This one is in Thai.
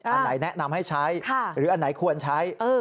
อันไหนแนะนำให้ใช้หรืออันไหนควรใช้